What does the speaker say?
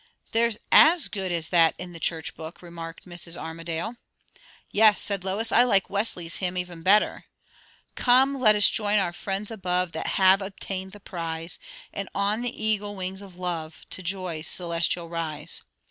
"There's as good as that in the church book," remarked Mrs. Armadale. "Yes," said Lois; "I like Wesley's hymn even better 'Come, let us join our friends above That have obtained the prize; And on the eagle wings of love To joys celestial rise.